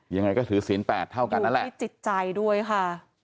ยังไงก็ถือศีลแปดเท่ากันนั่นแหละมีจิตใจด้วยค่ะ